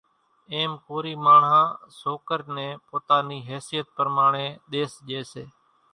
ايم ڪورِي ماڻۿان سوڪرِ نين پوتا نِي حيثيت پرماڻيَ ۮيس ڄيَ سي۔